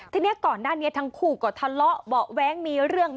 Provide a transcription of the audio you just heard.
ทีนี้ก่อนหน้านี้ทั้งคู่ก็ทะเลาะเบาะแว้งมีเรื่อง